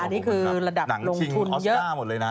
อันนี้คือระดับลงทุนเยอะ